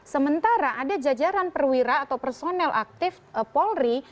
sementara ada jajaran perwira atau personel aktif polri